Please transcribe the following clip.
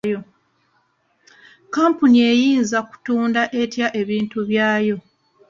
Kampuni eyinza kutunda etya ebintu byayo?